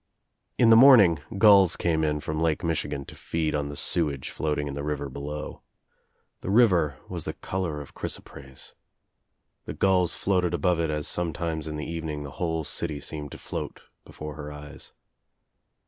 In the morning gulls came in from Lake Michigan to feed on the sewage floating In the river below. The river was the color of chrysoprase. The gulls \\ ^oated above it as sometimes in the evening the whole dty seemed to float before her eyes.